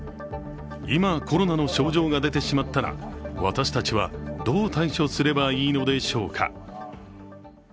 今、コロナの症状が出てしまったら私たちは、どう対処すればいいのでしょうか。